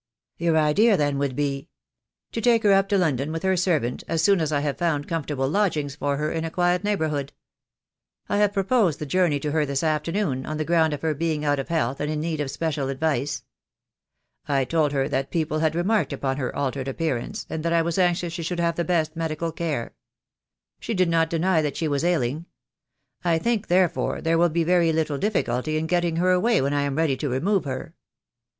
"Your idea then would be " "To take her up to London, with her servant, as soon as I have found comfortable lodgings for her in a quiet neighbourhood. I have proposed the journey to her this afternoon, on the ground of her being out of health and in need of special advice. I told her that people had remarked upon her altered appearance, and that I was anxious she should have the best medical care. She did not deny that she was ailing. I think, therefore, there will be very little difficulty in getting her away when I am ready to remove her."